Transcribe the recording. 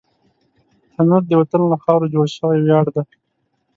تنور د وطن له خاورو جوړ شوی ویاړ دی